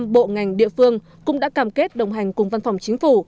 một trăm bộ ngành địa phương cũng đã cam kết đồng hành cùng văn phòng chính phủ